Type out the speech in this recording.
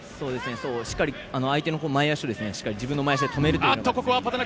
しっかり相手の前足を自分の前足で止めると。